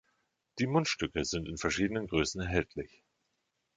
Die Mundstücke sind in verschiedenen Größen erhältlich.